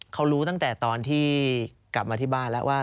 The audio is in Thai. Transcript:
เขารู้ตั้งแต่ตอนที่กลับมาที่บ้านแล้วว่า